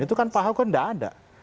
itu kan pak ahok kan tidak ada